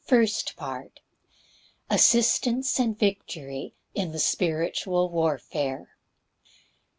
First Part. Assistance and victory in the spiritual warfare.